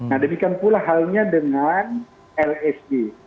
nah demikian pula halnya dengan lsd